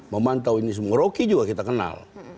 memantau ini semua rocky juga kita kenal